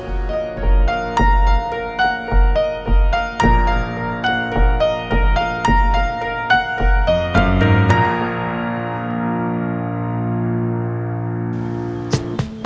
sampai jumpa lagi